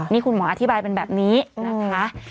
นี่คุณหมออธิบายเป็นแบบนี้นะคะ